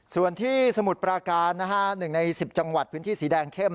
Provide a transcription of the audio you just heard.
ส่วนที่สมุทรปราการ๑ใน๑๐จังหวัดพื้นที่สีแดงเข้ม